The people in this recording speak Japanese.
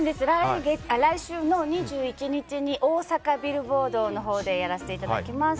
来週の２１日に大阪ビルボードのほうでやらせていただきます。